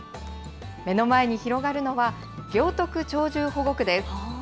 目の前に広がるのは、行徳鳥獣保護区です。